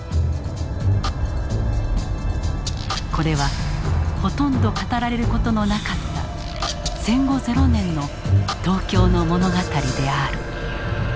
これはほとんど語られる事のなかった戦後ゼロ年の東京の物語である。